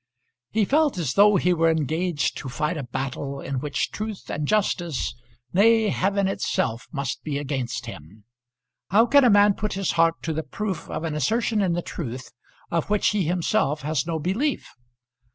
He felt as though he were engaged to fight a battle in which truth and justice, nay heaven itself must be against him. How can a man put his heart to the proof of an assertion in the truth of which he himself has no belief?